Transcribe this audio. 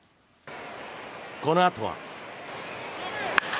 このあとは。